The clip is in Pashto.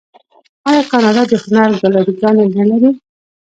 آیا کاناډا د هنر ګالري ګانې نلري؟